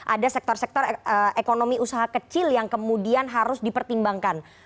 ada sektor sektor ekonomi usaha kecil yang kemudian harus dipertimbangkan